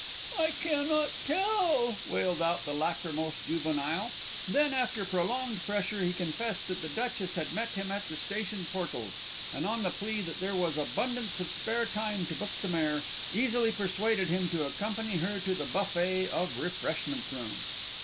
"I cannot tell," wailed out the lachrymose juvenile. Then, after prolonged pressure, he confessed that the Duchess had met him at the station portals, and, on the plea that there was abundance of spare time to book the mare, easily persuaded him to accompany her to the buffet of Refreshment room.